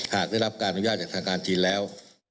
หากได้รับการอนุญาตจากทางการจีนแล้ว